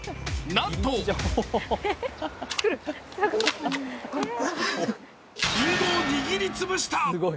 なんと、りんごを握りつぶした。